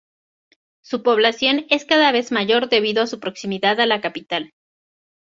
Su población es cada vez mayor debido a su proximidad a la capital.